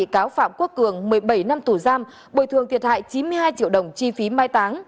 bị cáo phạm quốc cường một mươi bảy năm tù giam bồi thường thiệt hại chín mươi hai triệu đồng chi phí mai táng